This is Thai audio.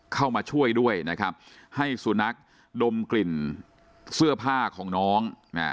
เข้ามาช่วยด้วยนะครับให้สุนัขดมกลิ่นเสื้อผ้าของน้อง